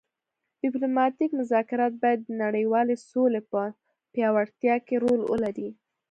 ډیپلوماتیک مذاکرات باید د نړیوالې سولې په پیاوړتیا کې رول ولري